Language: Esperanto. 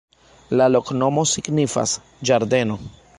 La loknomo signifas: ĝardeno.